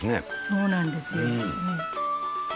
そうなんですよ。